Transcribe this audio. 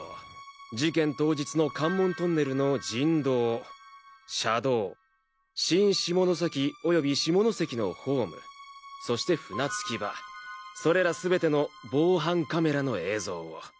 事件当日の関門トンネルの人道車道新下関及び下関のホームそして船着き場それら全ての防犯カメラの映像を。